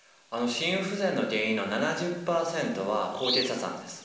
心不全の原因の７０％は高血圧なんです。